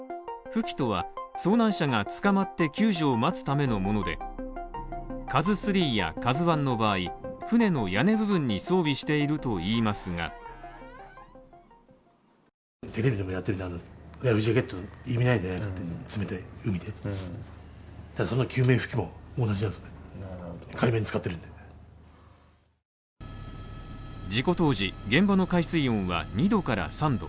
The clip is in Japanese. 浮器とは遭難者が捕まって救助を待つためのもので「ＫＡＺＵⅢ」や「ＫＡＺＵⅠ」の場合船の屋根部分に装備しているといいますが事故当時、現場の海水温は２３度。